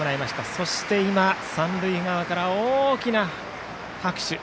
そして今三塁側から大きな拍手。